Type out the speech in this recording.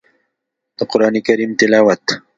د قران کريم تلاوت